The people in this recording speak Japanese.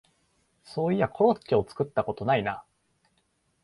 そういやコロッケを作ったことないな